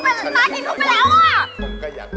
น้ำหน่ากินผลไปหน้ากินผลไปแล้ว